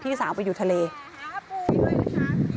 มีเรื่องอะไรมาคุยกันรับได้ทุกอย่าง